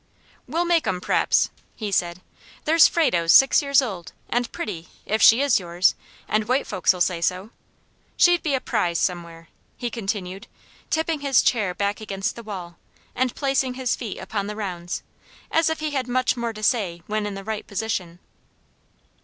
"We'll make 'em, p'r'aps," he said. "There's Frado's six years old, and pretty, if she is yours, and white folks'll say so. She'd be a prize somewhere," he continued, tipping his chair back against the wall, and placing his feet upon the rounds, as if he had much more to say when in the right position.